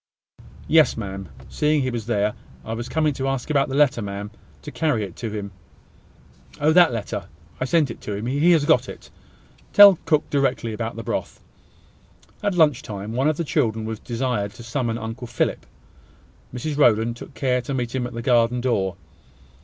"Yes, ma'am; seeing he was there, I was coming to ask about the letter, ma'am, to carry it to him." "Oh, that letter I sent it to him. He has got it. Tell cook directly about the broth." At lunch time, one of the children was desired to summon Uncle Philip. Mrs Rowland took care to meet him at the garden door.